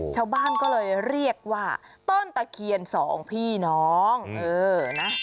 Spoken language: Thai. ชาวบ้านก็เลยเรียกว่าต้นตะเคียนสองพี่น้องเออนะ